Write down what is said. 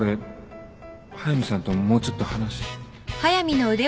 速見さんともうちょっと話